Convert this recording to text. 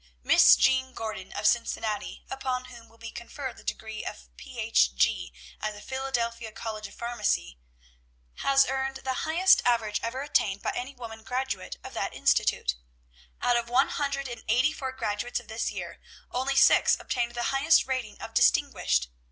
"'Miss Jean Gordon of Cincinnati, upon whom will be conferred the degree of Ph.G. at the Philadelphia College of Pharmacy, has earned the highest average ever attained by any woman graduate of that institution. Out of one hundred and eighty four graduates of this year, only six obtained the highest rating of "distinguished."